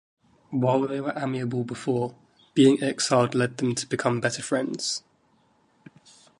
While they were amiable before, being exiled led them to become better friends.